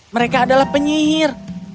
mereka adalah penyihir